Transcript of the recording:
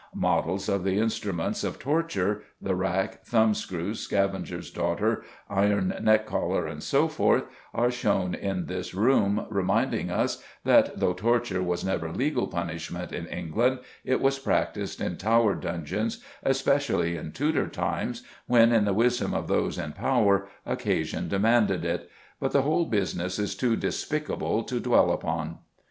Models of the instruments of torture the rack, thumb screws, scavenger's daughter, iron neck collar, and so forth are shown in this room, reminding us that though torture was never legal punishment in England, it was practised in Tower dungeons, especially in Tudor times, when, in the wisdom of those in power, occasion demanded it. But the whole business is too despicable to dwell upon.